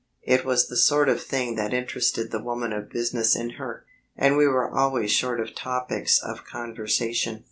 It was the sort of thing that interested the woman of business in her, and we were always short of topics of conversation.